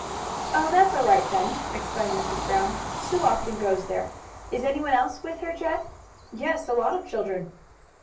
"Oh, that's all right, then!" exclaimed Mrs. Brown. "Sue often goes there. Is anyone else with her, Jed?" "Yes, a lot of children."